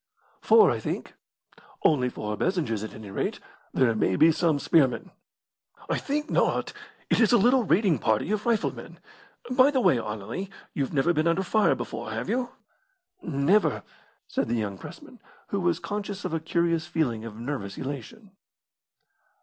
"Four, I think." "Only four Bezingers, at any rate; there may be some spearmen." "I think not; it is a little raiding party of rifle men. By the way, Anerley, you've never been under fire before, have you?" "Never," said the young pressman, who was conscious of a curious feeling of nervous elation.